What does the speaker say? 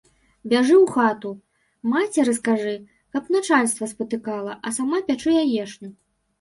Бяжы ў хату, мацеры скажы, каб начальства спатыкала, а сама пячы яешню.